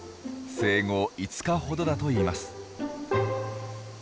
生後５日ほどだといいます。